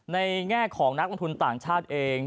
แง่ของนักลงทุนต่างชาติเอง